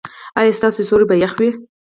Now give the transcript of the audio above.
ایا ستاسو سیوري به يخ وي؟